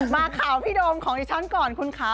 มาข่าวพี่โดมของดิฉันก่อนคุณค่ะ